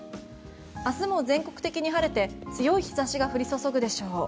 明日も全国的に晴れて強い日差しが降り注ぐでしょう。